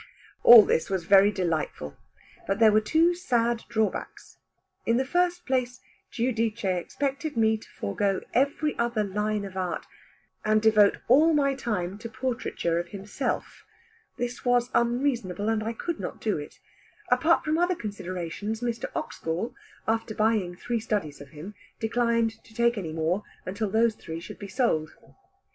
All this was very delightful. But there were two sad drawbacks. In the first place, Giudice expected me to forego every other line of art, and devote all my time to portraiture of himself. This was unreasonable, and I could not do it. Apart from other considerations, Mr. Oxgall, after buying three studies of him, declined to take any more until those three should be sold.